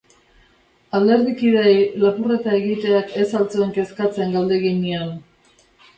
Alderdikideei lapurreta egiteak ez al zuen kezkatzen galdegin nion.